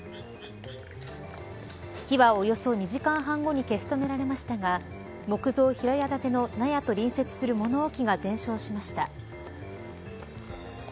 火はおよそ２時間半後に消し止められましたが木造平屋建ての納屋と隣接する物置が全焼しました。